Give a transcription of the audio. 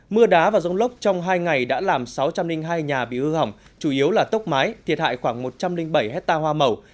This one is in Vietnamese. mưa đá và rông lốc trong hai ngày đã làm sáu trăm linh hai nhà bị hư hỏng chủ yếu là tốc mái thiệt hại khoảng một trăm linh bảy hectare hoa màu